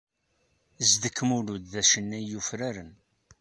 Zedek Mulud d acennay yufraren.